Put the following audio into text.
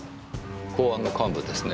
公安の幹部ですね。